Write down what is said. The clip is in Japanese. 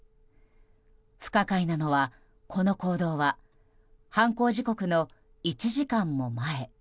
不可解なのは、この行動は犯行時刻の１時間も前。